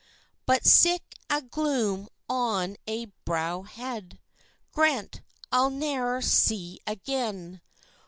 "But sic a gloom on ae browhead, Grant I ne'er see again!